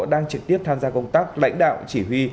đang trực tiếp tham gia công tác lãnh đạo chỉ huy